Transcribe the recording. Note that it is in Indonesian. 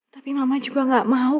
tapi mama juga gak mau